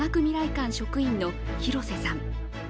館職員の廣瀬さん。